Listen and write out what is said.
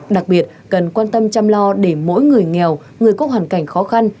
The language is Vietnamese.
đặc biệt cần quan tâm chăm lo để mỗi người nghèo người có hoàn cảnh khó khăn